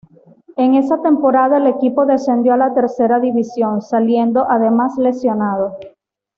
En esa temporada el equipo descendió a la tercera división, saliendo además lesionado.